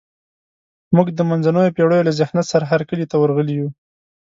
موږ د منځنیو پېړیو له ذهنیت سره هرکلي ته ورغلي یو.